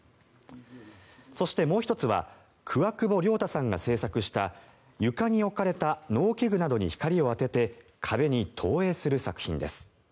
そしてもう１つはクワクボリョウタさんが制作した床に置かれた農機具などに光を当てて壁に投影する作品です。